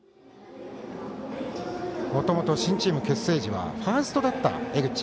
もともと新チーム結成時はファーストだった江口。